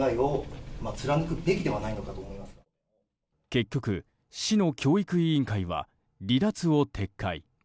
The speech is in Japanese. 結局、市の教育委員会は離脱を撤回。